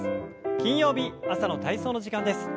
金曜日朝の体操の時間です。